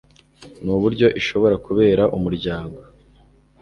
n'uburyo ishobora kubera umuryango